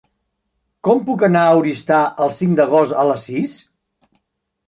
Com puc anar a Oristà el cinc d'agost a les sis?